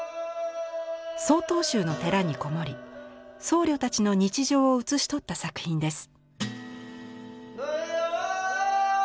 曹洞宗の寺にこもり僧侶たちの日常を写し取った作品です。